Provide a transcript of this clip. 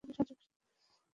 যদি তার জ্ঞান ফেরে।